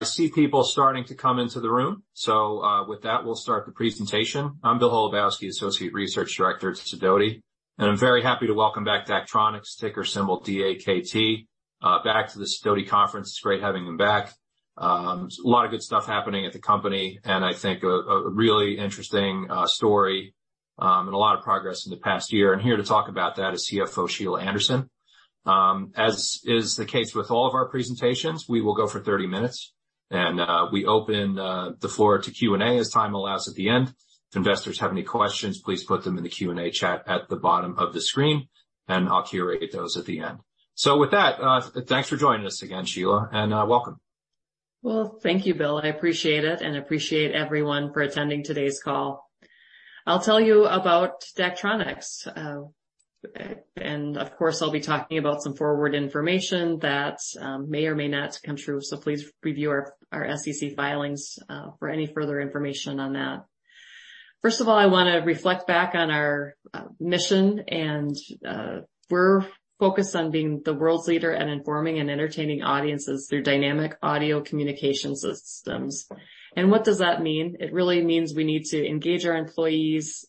I see people starting to come into the room. With that, we'll start the presentation. I'm Bill Holobowski, Associate Research Director at Sidoti, and I'm very happy to welcome back Daktronics, ticker symbol DAKT, back to the Sidoti Conference. It's great having them back. A lot of good stuff happening at the company, and I think a, a really interesting story, and a lot of progress in the past year. Here to talk about that is CFO, Sheila Anderson. As is the case with all of our presentations, we will go for 30 minutes, we open the floor to Q&A as time allows at the end. If investors have any questions, please put them in the Q&A chat at the bottom of the screen, I'll curate those at the end. With that, thanks for joining us again, Sheila, and welcome. Well, thank you, Bill. I appreciate it and appreciate everyone for attending today's call. I'll tell you about Daktronics, and of course, I'll be talking about some forward information that, may or may not come true. Please review our, our SEC filings, for any further information on that. First of all, I wanna reflect back on our, mission and, we're focused on being the world's leader in informing and entertaining audiences through dynamic audio communication systems. What does that mean? It really means we need to engage our employees,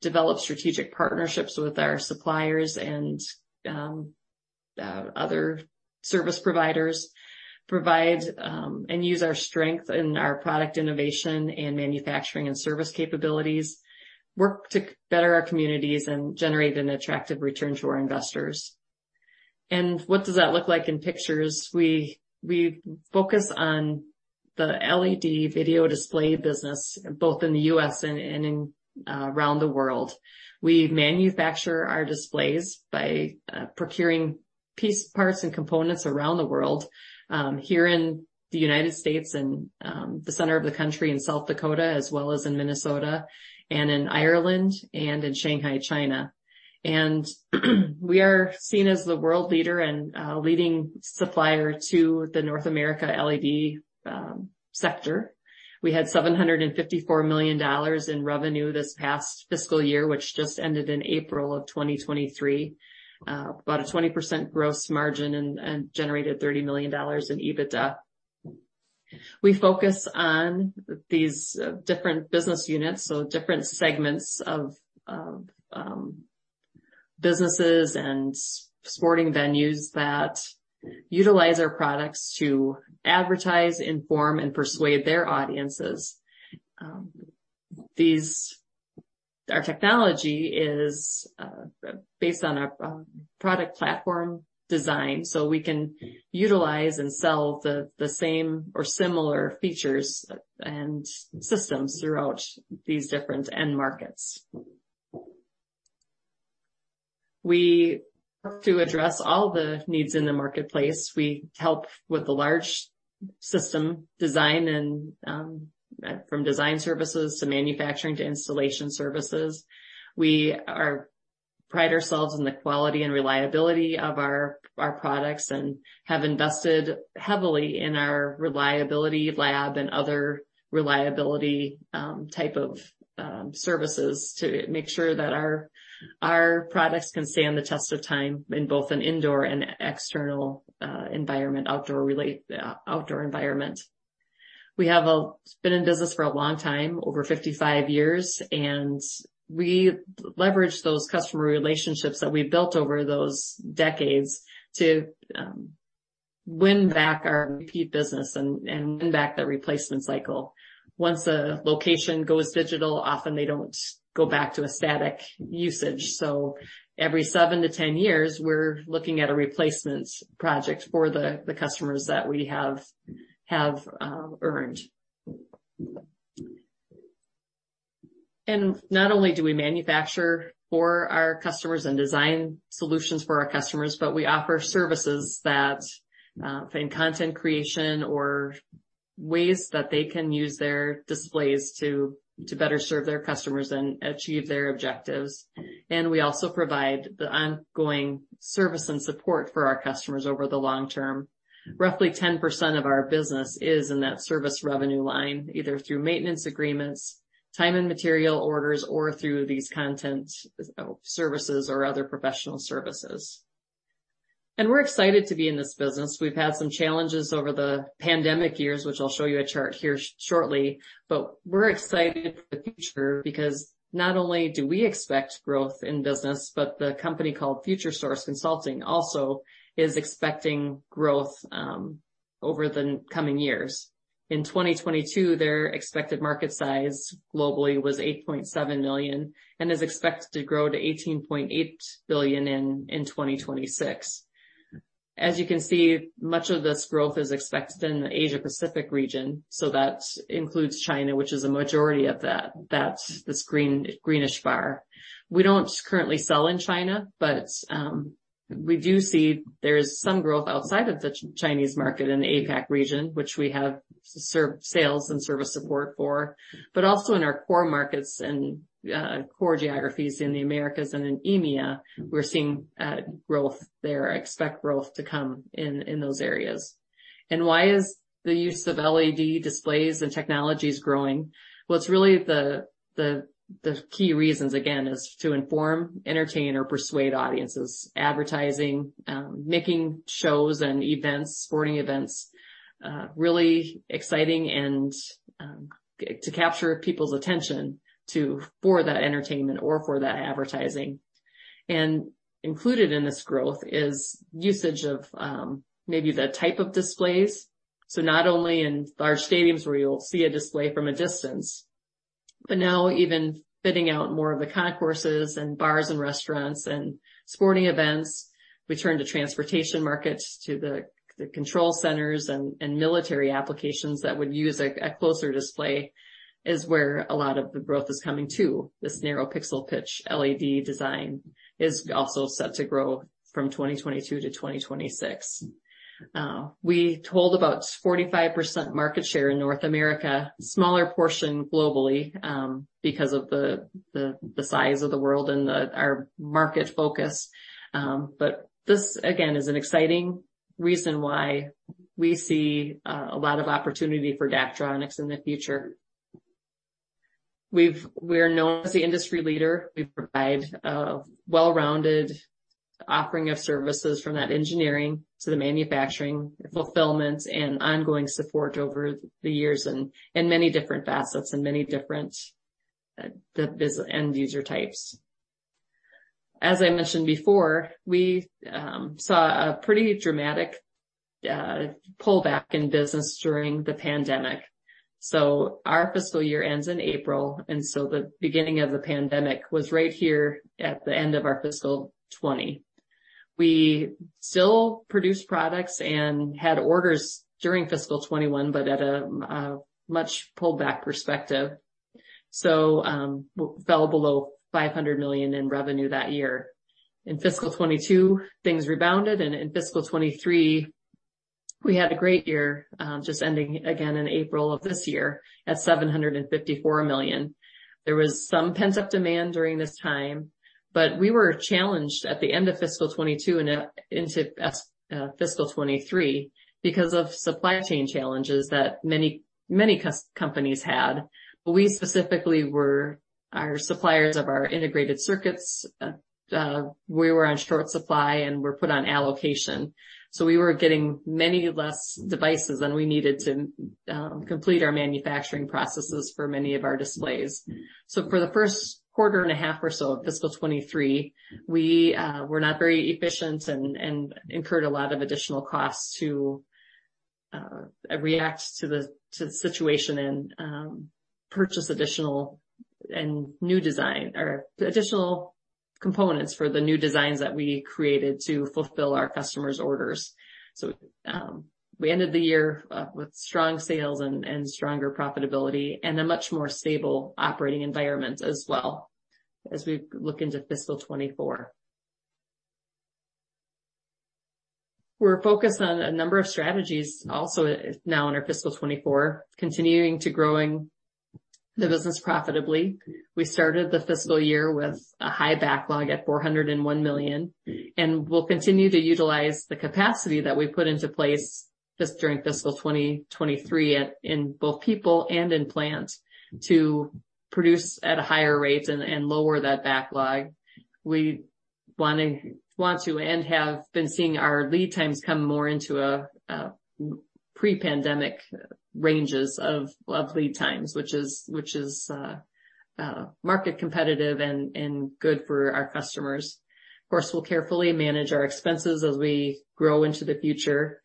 develop strategic partnerships with our suppliers and, other service providers. Provide, and use our strength in our product innovation and manufacturing and service capabilities. Work to better our communities and generate an attractive return to our investors. What does that look like in pictures? We, we focus on the LED video display business, both in the U.S. and, and in, around the world. We manufacture our displays by procuring piece parts, and components around the world, here in the United States and the center of the country, in South Dakota, as well as in Minnesota and in Ireland and in Shanghai, China. We are seen as the world leader and leading supplier to the North America LED sector. We had $754 million in revenue this past fiscal year, which just ended in April of 2023. About a 20% gross margin and, and generated $30 million in EBITDA. We focus on these different business units, so different segments of businesses and sporting venues that utilize our products to advertise, inform, and persuade their audiences. These... Our technology is based on a product platform design, so we can utilize and sell the, the same or similar features and systems throughout these different end markets. We work to address all the needs in the marketplace. We help with the large system design and from design services to manufacturing to installation services. We pride ourselves in the quality and reliability of our, our products and have invested heavily in our reliability lab and other reliability type of services to make sure that our, our products can stand the test of time in both an indoor and external environment, outdoor relate, outdoor environment. We have been in business for a long time, over 55 years, and we leverage those customer relationships that we've built over those decades to win back our repeat business and win back the replacement cycle. Once a location goes digital, often they don't go back to a static usage, so every seven to 10 years, we're looking at a replacement project for the customers that we have, have earned. Not only do we manufacture for our customers and design solutions for our customers, but we offer services that in content creation or ways that they can use their displays to better serve their customers and achieve their objectives. We also provide the ongoing service and support for our customers over the long term. Roughly 10% of our business is in that service revenue line, either through maintenance agreements, time and material orders, or through these content services or other professional services. We're excited to be in this business. We've had some challenges over the pandemic years, which I'll show you a chart here shortly, but we're excited for the future because not only do we expect growth in business, but the company called Futuresource Consulting also is expecting growth over the coming years. In 2022, their expected market size globally was $8.7 million and is expected to grow to $18.8 billion in 2026. As you can see, much of this growth is expected in the Asia Pacific region, so that includes China, which is a majority of that. That's this green, greenish bar. We don't currently sell in China, but we do see there's some growth outside of the Chinese market in the APAC region, which we have sales and service support for. Also in our core markets and core geographies in the Americas and in EMEA, we're seeing growth there. I expect growth to come in, in those areas. Why is the use of LED displays and technologies growing? Well, it's really the key reasons, again, is to inform, entertain, or persuade audiences. Advertising, making shows and events, sporting events, really exciting and to capture people's attention for that entertainment or for that advertising. Included in this growth is usage of maybe the type of displays. Not only in large stadiums, where you'll see a display from a distance, but now even fitting out more of the concourses and bars and restaurants and sporting events. We turn to transportation markets, to the, the control centers and, and military applications that would use a, a closer display, is where a lot of the growth is coming to. This narrow pixel pitch LED design is also set to grow from 2022 to 2026. We hold about 45% market share in North America, smaller portion globally, because of the, the, the size of the world and the, our market focus. But this again, is an exciting reason why we see a lot of opportunity for Daktronics in the future. We're known as the industry leader. We provide a well-rounded offering of services from that engineering to the manufacturing, fulfillment, and ongoing support over the years and many different facets and many different end user types. As I mentioned before, we saw a pretty dramatic pullback in business during the pandemic. Our fiscal year ends in April, and so the beginning of the pandemic was right here at the end of our fiscal 2020. We still produced products and had orders during fiscal 2021, but at a much pullback perspective. We fell below $500 million in revenue that year. In fiscal 2022, things rebounded, and in fiscal 2023, we had a great year, just ending again in April of this year at $754 million. There was some pent-up demand during this time, we were challenged at the end of fiscal 2022 and into fiscal 2023, because of supply chain challenges that many, many companies had. We specifically were... Our suppliers of our integrated circuits, we were on short supply and were put on allocation. We were getting many less devices than we needed to complete our manufacturing processes for many of our displays. For the first quarter and a half or so of fiscal 2023, we were not very efficient and, and incurred a lot of additional costs to react to the, to the situation and purchase additional and new design, or additional components for the new designs that we created to fulfill our customers' orders. We ended the year with strong sales and, and stronger profitability and a much more stable operating environment as well, as we look into fiscal 2024. We're focused on a number of strategies also now in our fiscal 2024, continuing to growing the business profitably. We started the fiscal year with a high backlog at $401 million, and we'll continue to utilize the capacity that we put into place during fiscal 2023 at, in both people and in plant, to produce at a higher rate and, and lower that backlog. We want to, want to and have been seeing our lead times come more into a, a pre-pandemic ranges of, of lead times, which is, which is market competitive and, and good for our customers. Of course, we'll carefully manage our expenses as we grow into the future.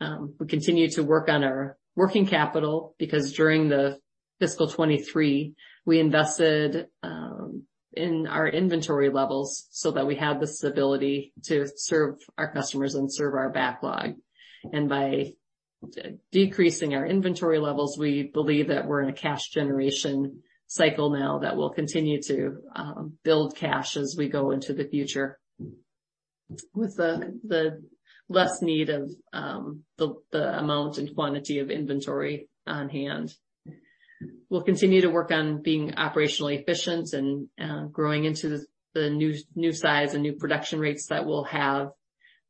We continue to work on our working capital, because during the fiscal 2023, we invested in our inventory levels so that we had the stability to serve our customers and serve our backlog. By decreasing our inventory levels, we believe that we're in a cash generation cycle now that will continue to build cash as we go into the future, with the, the less need of the, the amount and quantity of inventory on hand. We'll continue to work on being operationally efficient and growing into the, the new, new size and new production rates that we'll have.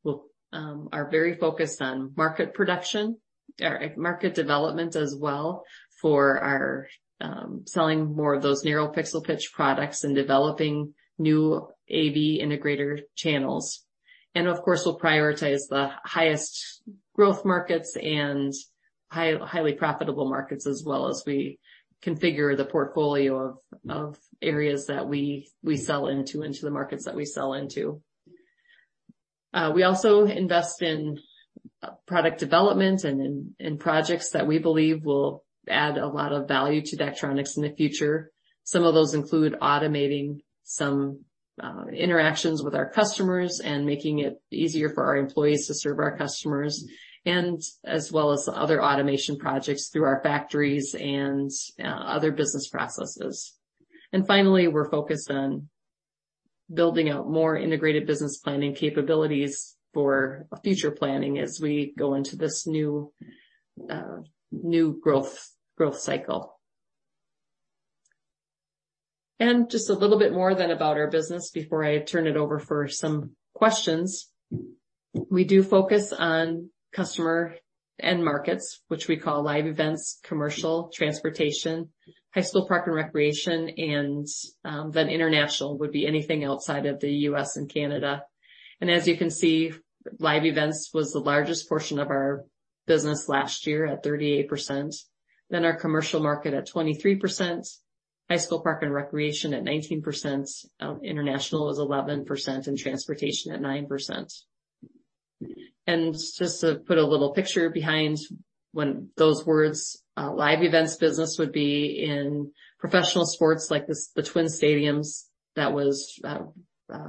We'll are very focused on market production or market development as well, for our selling more of those narrow pixel pitch products and developing new AV integrator channels. Of course, we'll prioritize the highest growth markets and high, highly profitable markets, as well as we configure the portfolio of, of areas that we, we sell into, into the markets that we sell into. We also invest in product development and in, in projects that we believe will add a lot of value to Daktronics in the future. Some of those include automating some interactions with our customers and making it easier for our employees to serve our customers, and as well as other automation projects through our factories and other business processes. Finally, we're focused on building out more Integrated Business Planning capabilities for future planning as we go into this new, new growth, growth cycle. Just a little bit more then about our business before I turn it over for some questions.... We do focus on customer end markets, which we call live events, commercial, transportation, high school, park, and recreation, and then international would be anything outside of the U.S. and Canada. As you can see, live events was the largest portion of our business last year at 38%, then our commercial market at 23%, high school, park, and recreation at 19%, international is 11%, and transportation at 9%. Just to put a little picture behind when those words, live events business would be in professional sports like this, the Target Field that was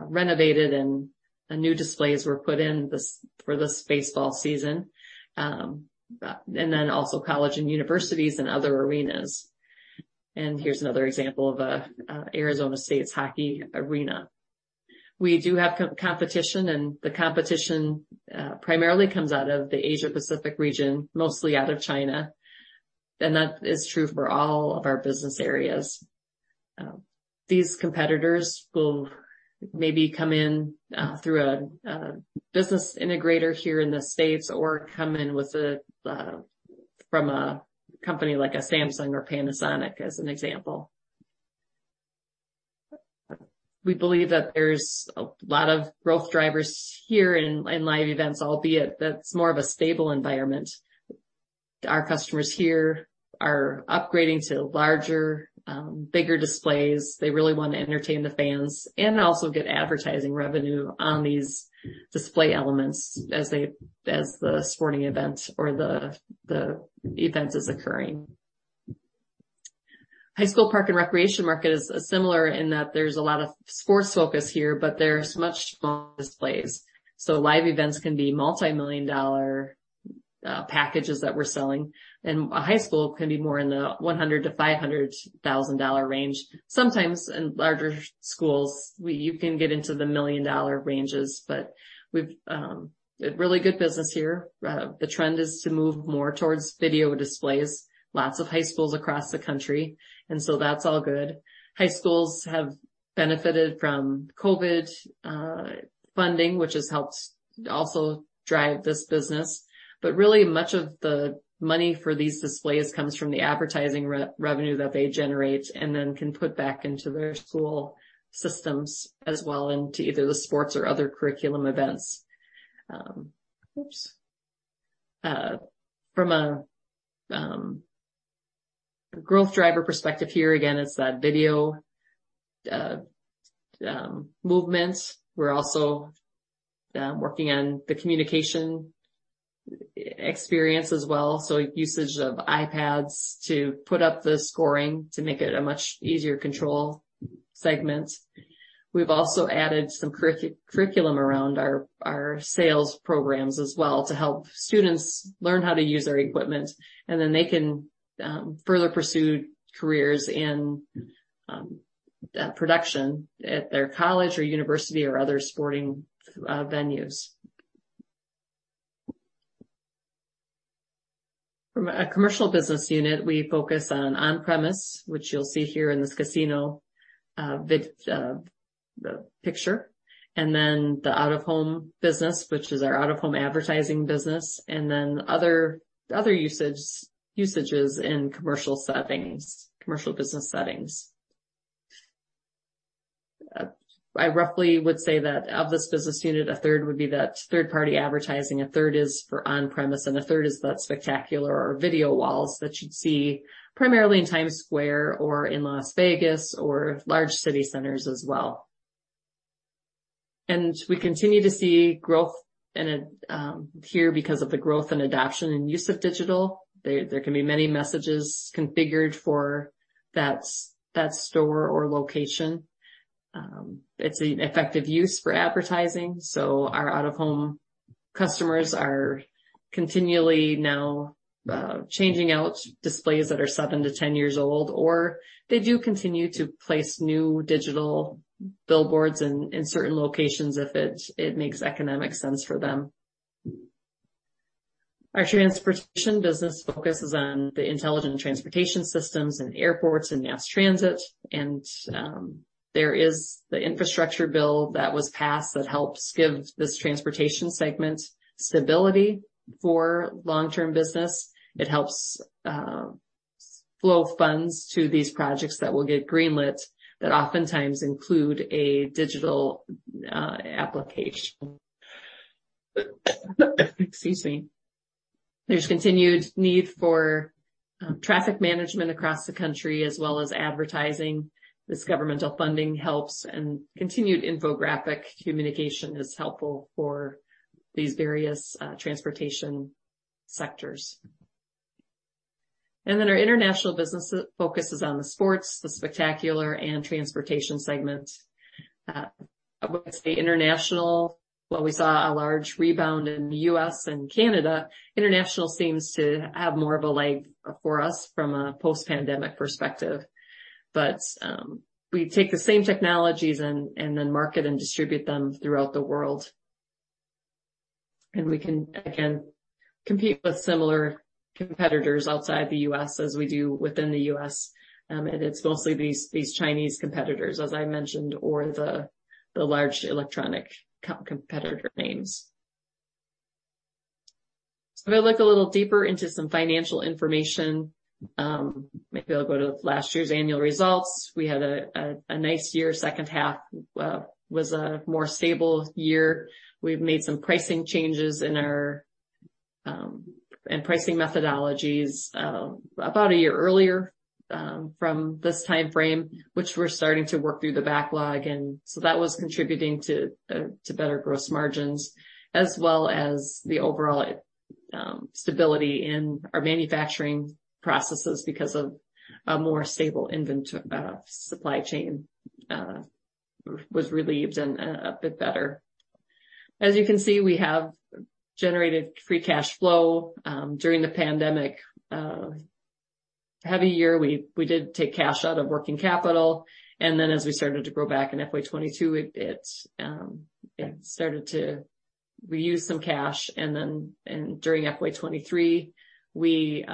renovated and new displays were put in this, for this baseball season. Then also college and universities and other arenas. Here's another example of a Arizona State's hockey arena. We do have competition, and the competition primarily comes out of the Asia Pacific region, mostly out of China, and that is true for all of our business areas. These competitors will maybe come in, through a business integrator here in the States, or come in with a from a company like a Samsung or Panasonic, as an example. We believe that there's a lot of growth drivers here in live events, albeit that's more of a stable environment. Our customers here are upgrading to larger, bigger displays. They really want to entertain the fans and also get advertising revenue on these display elements as the sporting event or the event is occurring. High school, park, and recreation market is similar in that there's a lot of sports focus here, but there's much smaller displays. Live events can be multimillion-dollar packages that we're selling, and a high school can be more in the $100,000-$500,000 range. Sometimes in larger schools, you can get into the million-dollar ranges, but we've a really good business here. The trend is to move more towards video displays, lots of high schools across the country, and that's all good. High schools have benefited from COVID funding, which has helped also drive this business. Really, much of the money for these displays comes from the advertising re-revenue that they generate and then can put back into their school systems as well, into either the sports or other curriculum events. Oops. From a growth driver perspective, here again, it's that video movements. We're also working on the communication experience as well, so usage of iPads to put up the scoring to make it a much easier control segment. We've also added some curriculum around our, our sales programs as well, to help students learn how to use our equipment, and then they can further pursue careers in production at their college or university or other sporting venues. From a commercial business unit, we focus on on-premise, which you'll see here in this casino, vid, picture, and then the out-of-home business, which is our out-of-home advertising business, and then other, other usage, usages in commercial settings, commercial business settings. I roughly would say that of this business unit, 1/3 would be that third-party advertising, 1/3 is for on-premise, and 1/3 is that spectacular or video walls that you'd see primarily in Times Square or in Las Vegas or large city centers as well. We continue to see growth here, because of the growth and adoption and use of digital. There, there can be many messages configured for that store or location. It's an effective use for advertising, so our out-of-home customers are continually now changing out displays that are seven to 10 years old, or they do continue to place new digital billboards in, in certain locations if it, it makes economic sense for them. Our transportation business focuses on the Intelligent Transportation Systems in airports and mass transit. There is the infrastructure bill that was passed that helps give this transportation segment stability for long-term business. It helps flow funds to these projects that will get greenlit. That oftentimes include a digital application. Excuse me. There's continued need for traffic management across the country, as well as advertising. This governmental funding helps, and continued infographic communication is helpful for these various transportation sectors. Our international business focuses on the sports, the spectacular, and transportation segment. I would say international, while we saw a large rebound in the U.S. and Canada, international seems to have more of a leg for us from a post-pandemic perspective. We take the same technologies and, and then market and distribute them throughout the world. We can, again compete with similar competitors outside the U.S. as we do within the U.S., and it's mostly these, these Chinese competitors, as I mentioned, or the, the large electronic competitor names. If we look a little deeper into some financial information, maybe I'll go to last year's annual results. We had a nice year. Second half was a more stable year. We've made some pricing changes in our and pricing methodologies about a year earlier from this time frame, which we're starting to work through the backlog, that was contributing to better gross margins, as well as the overall stability in our manufacturing processes because of a more stable inventory supply chain was relieved and a bit better. As you can see, we have generated free cash flow during the pandemic. Heavy year, we, we did take cash out of working capital. As we started to grow back in FY 2022, it started to reuse some cash. During FY 2023, we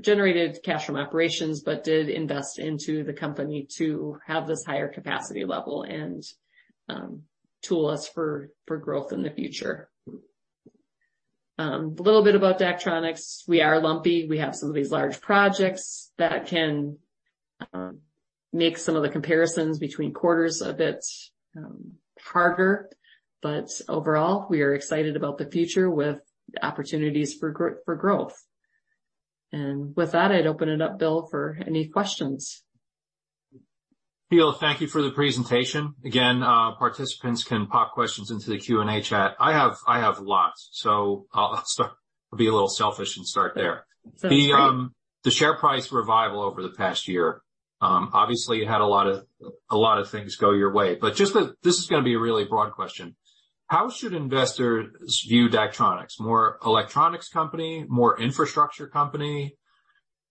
generated cash from operations, but did invest into the company to have this higher capacity level and tool us for growth in the future. A little bit about Daktronics. We are lumpy. We have some of these large projects that can make some of the comparisons between quarters a bit harder, but overall, we are excited about the future with opportunities for growth. With that, I'd open it up, Bill, for any questions. Sheila, thank you for the presentation. Again, participants can pop questions into the Q&A chat. I have, I have lots, so I'll, I'll be a little selfish and start there. Sounds great. The share price revival over the past year. Obviously, you had a lot of, a lot of things go your way, but just that... This is gonna be a really broad question: How should investors view Daktronics? More electronics company, more infrastructure company?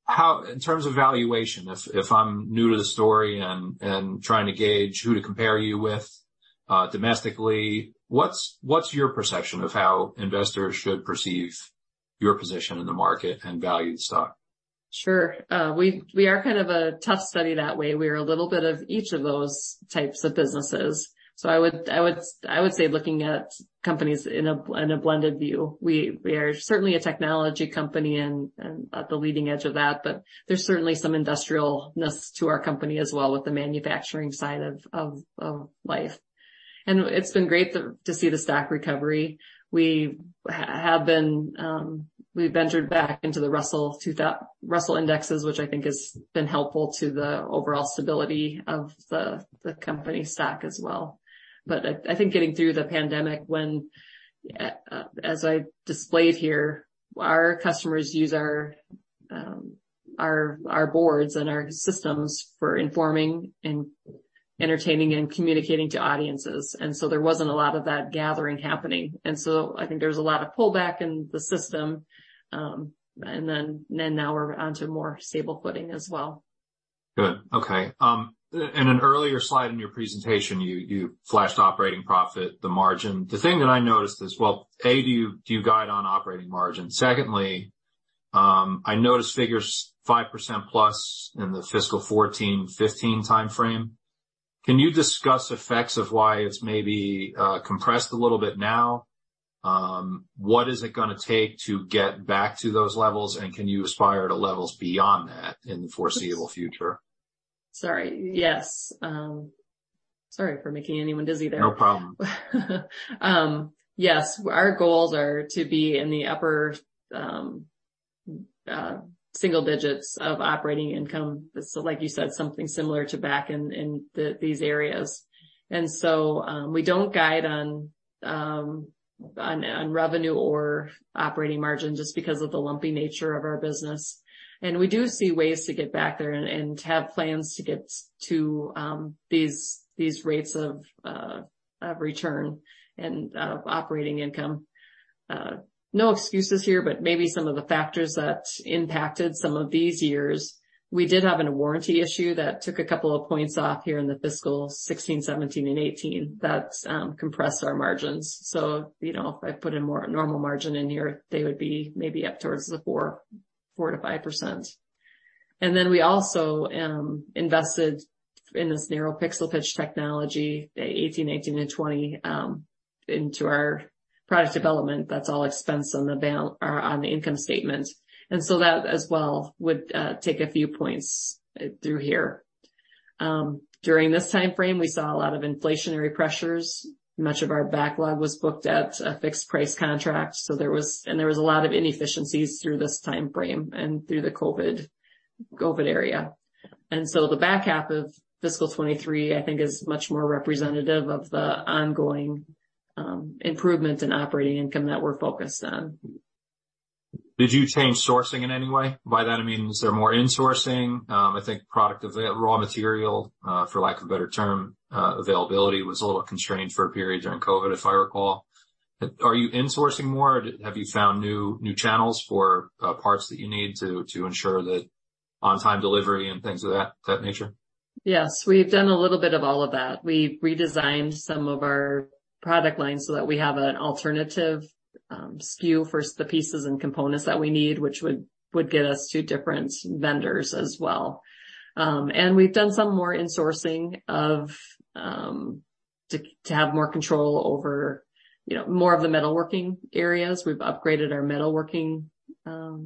How, in terms of valuation, if, if I'm new to the story and, and trying to gauge who to compare you with, domestically, what's, what's your perception of how investors should perceive your position in the market and value the stock? Sure. We, we are kind of a tough study that way. We are a little bit of each of those types of businesses. I would, I would, I would say, looking at companies in a, in a blended view. We, we are certainly a technology company and, and at the leading edge of that, but there's certainly some industrialness to our company as well, with the manufacturing side of, of, of life. It's been great to, to see the stock recovery. We have been, we've entered back into the Russell Indexes, which I think has been helpful to the overall stability of the, the company stock as well. I, I think getting through the pandemic, when, as I displayed here, our customers use our, our, our boards and our systems for informing and entertaining and communicating to audiences, and so there wasn't a lot of that gathering happening. So I think there's a lot of pullback in the system, and then, then now we're on to more stable footing as well. Good. Okay. In an earlier slide in your presentation, you, you flashed operating profit, the margin. The thing that I noticed is, well, A, do you, do you guide on operating margin? Secondly, I noticed figures 5%+ in the fiscal 2014, 2015 time frame. Can you discuss effects of why it's maybe compressed a little bit now? What is it gonna take to get back to those levels, and can you aspire to levels beyond that in the foreseeable future? Sorry. Yes. Sorry for making anyone dizzy there. No problem. Yes, our goals are to be in the upper, single digits of operating income. Like you said, something similar to back in these areas. We don't guide on revenue or operating margin just because of the lumpy nature of our business. We do see ways to get back there and have plans to get to these rates of return and operating income. No excuses here, but maybe some of the factors that impacted some of these years, we did have a warranty issue that took a couple of points off here in fiscal 16, 17, and 18. That's compressed our margins. You know, if I put a more normal margin in here, they would be maybe up towards the 4%-5%. Then we also invested in this narrow pixel pitch technology, the 18, 19, and 20 into our product development. That's all expense on the or on the income statement. That as well, would take a few points through here. During this time frame, we saw a lot of inflationary pressures. Much of our backlog was booked at a fixed price contract, so there was... There was a lot of inefficiencies through this time frame and through the COVID, COVID area. The back half of fiscal 2023, I think, is much more representative of the ongoing improvements in operating income that we're focused on. Did you change sourcing in any way? By that I mean, is there more insourcing? I think raw material, for lack of a better term, availability, was a little constrained for a period during COVID, if I recall. Are you insourcing more, or have you found new, new channels for parts that you need to ensure that on-time delivery and things of that, that nature? Yes, we've done a little bit of all of that. We redesigned some of our product lines so that we have an alternative, SKU for the pieces and components that we need, which would, would get us to different vendors as well. We've done some more insourcing of, to, to have more control over, you know, more of the metalworking areas. We've upgraded our metalworking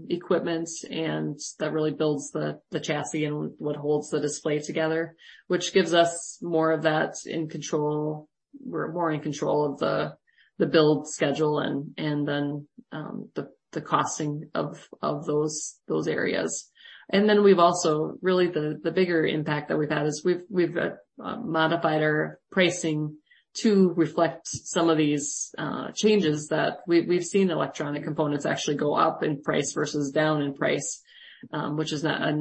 equipment, and that really builds the, the chassis and what holds the display together, which gives us more of that in control. We're more in control of the, the build schedule and, and then, the, the costing of, of those, those areas. We've also really, the bigger impact that we've had is we've, we've modified our pricing to reflect some of these changes that we've seen electronic components actually go up in price versus down in price, which is not a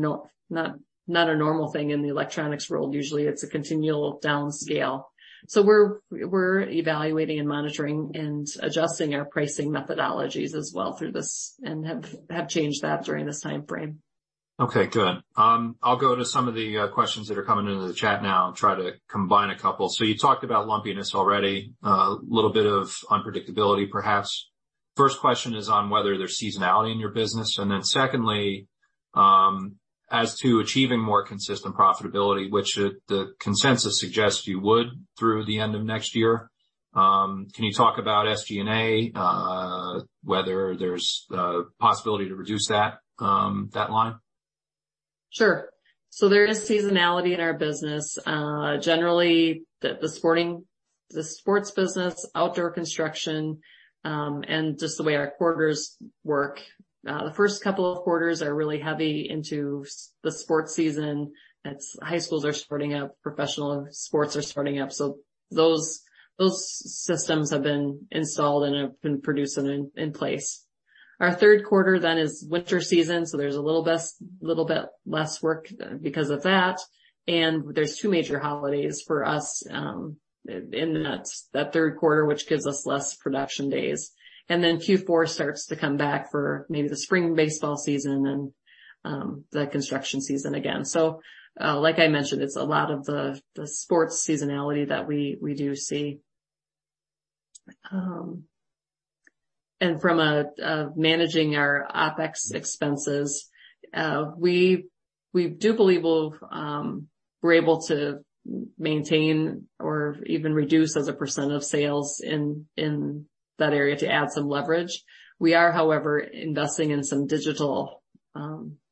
normal thing in the electronics world. Usually, it's a continual down scale. We're, we're evaluating and monitoring and adjusting our pricing methodologies as well through this and have, have changed that during this time frame. Okay, good. I'll go to some of the questions that are coming into the chat now and try to combine a couple. You talked about lumpiness already, a little bit of unpredictability, perhaps. First question is on whether there's seasonality in your business, and then secondly, as to achieving more consistent profitability, which the consensus suggests you would through the end of next year. Can you talk about SG&A, whether there's the possibility to reduce that line? Sure. There is seasonality in our business. Generally, the, the sporting, the sports business, outdoor construction, and just the way our quarters work. The first couple of quarters are really heavy into the sports season. That's high schools are starting up, professional sports are starting up. Those, those systems have been installed and have been produced and in, in place. Our third quarter then is winter season, so there's a little less, little bit less work because of that. There's two major holidays for us in that, that third quarter, which gives us less production days. Q4 starts to come back for maybe the spring baseball season and the construction season again. Like I mentioned, it's a lot of the, the sports seasonality that we, we do see. From a, a managing our OpEx expenses, we, we do believe we'll, we're able to maintain or even reduce as a percentage of sales in, in that area to add some leverage. We are, however, investing in some digital,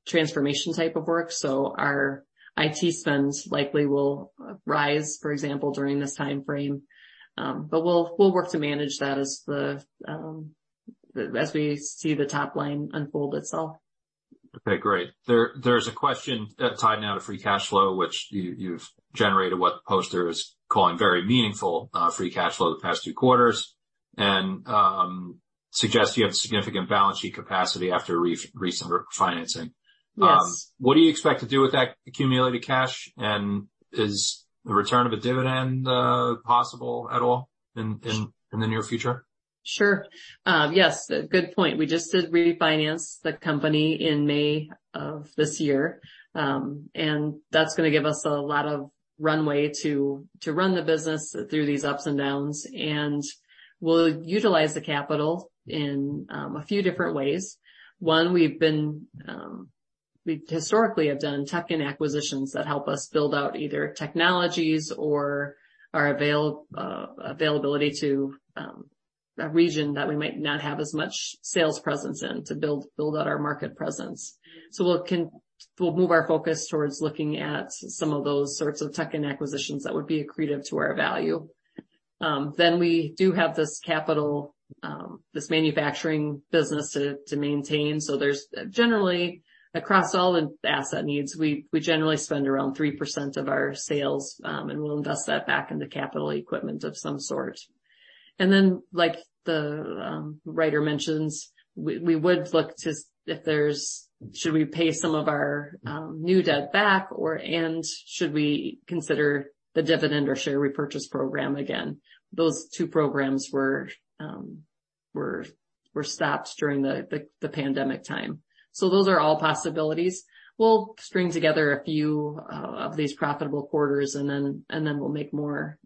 transformation type of work, so our IT spends likely will rise, for example, during this time frame. We'll, we'll work to manage that as the, as we see the top line unfold itself. Okay, great. There, there's a question tied now to free cash flow, which you, you've generated what the poster is calling very meaningful free cash flow the past two quarters, and suggests you have significant balance sheet capacity after a recent refinancing. Yes. What do you expect to do with that accumulated cash, and is the return of a dividend, possible at all in, in the near future? Sure. Yes, good point. We just did refinance the company in May of this year. That's going to give us a lot of runway to, to run the business through these ups and downs, and we'll utilize the capital in a few different ways. One, we've been, we historically have done tuck-in acquisitions that help us build out either technologies or are availability to a region that we might not have as much sales presence in, to build, build out our market presence. We'll move our focus towards looking at some of those sorts of tuck-in acquisitions that would be accretive to our value. We do have this capital, this manufacturing business to, to maintain. There's generally across all the asset needs, we, we generally spend around 3% of our sales, and we'll invest that back into capital equipment of some sort. Like the writer mentions, we, we would look to, if there's, should we pay some of our new debt back or, and should we consider the dividend or share repurchase program again? Those two programs were, were, were stopped during the, the, the pandemic time. Those are all possibilities. We'll string together a few of these profitable quarters, and then, and then we'll make more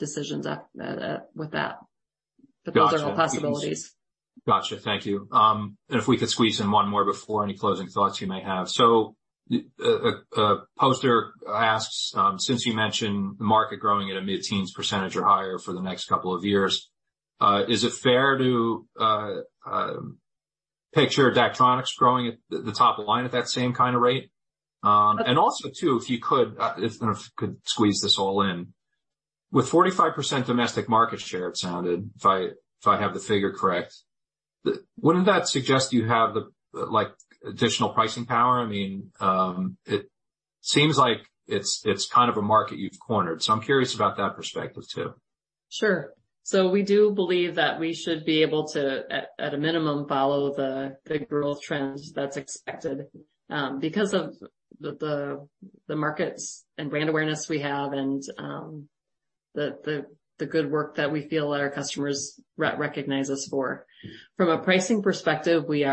decisions at, at, with that. Got you. Those are all possibilities. Got you. Thank you. If we could squeeze in one more before any closing thoughts you may have. A poster asks, since you mentioned the market growing at a mid-teens percentage or higher for the next two years, is it fair to picture Daktronics growing at the top line at that same kind of rate? Also too, if you could squeeze this all in. With 45% domestic market share, it sounded, if I have the figure correct, wouldn't that suggest you have the, like, additional pricing power? I mean, it seems like it's, it's kind of a market you've cornered, so I'm curious about that perspective too. Sure. We do believe that we should be able to, at a minimum, follow the growth trends that's expected because of the markets and brand awareness we have and the good work that we feel our customers re-recognize us for. From a pricing perspective, we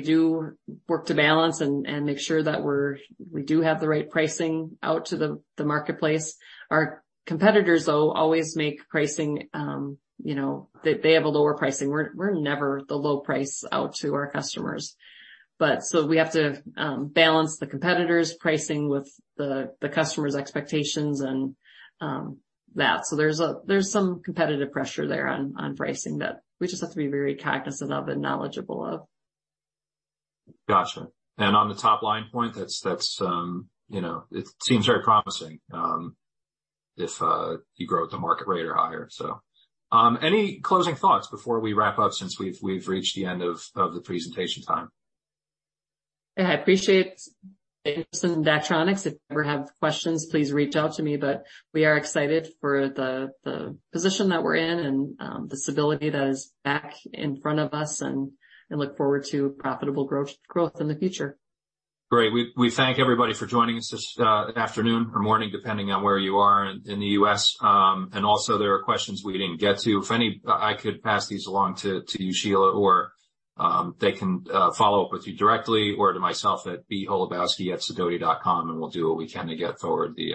do work to balance and make sure that we're, we do have the right pricing out to the marketplace. Our competitors, though, always make pricing, you know. They have a lower pricing. We're never the low price out to our customers. We have to balance the competitors' pricing with the customer's expectations and that. There's some competitive pressure there on pricing that we just have to be very cognizant of and knowledgeable of. Got you. On the top line point, that's, that's, you know, it seems very promising, if, you grow at the market rate or higher. Any closing thoughts before we wrap up, since we've, we've reached the end of, of the presentation time? I appreciate Daktronics. If you ever have questions, please reach out to me, but we are excited for the position that we're in and the stability that is back in front of us and, and look forward to profitable growth, growth in the future. Great. We, we thank everybody for joining us this afternoon or morning, depending on where you are in the US. Also there are questions we didn't get to. If any, I could pass these along to, to you, Sheila, or, they can follow up with you directly or to myself at bholobowski@sidoti.com, we'll do what we can to get forward the,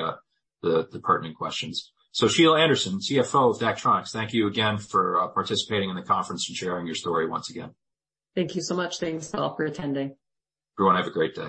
the, the pertinent questions. Sheila Anderson, CFO of Daktronics, thank you again for participating in the conference and sharing your story once again. Thank you so much. Thanks to all for attending. Everyone, have a great day.